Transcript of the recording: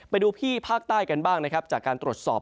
ไปดูที่ภาคใต้กันบ้างนะครับจากการตรวจสอบ